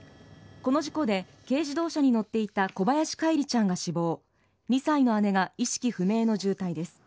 この事故で軽自動車に乗っていた小林叶一里ちゃんが死亡２歳の姉が意識不明の重体です。